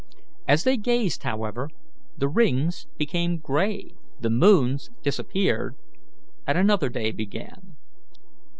As they gazed, however, the rings became grey, the moons disappeared, and another day began.